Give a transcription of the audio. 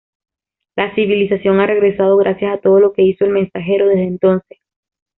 La civilización ha regresado gracias a todo lo que hizo "El mensajero" desde entonces.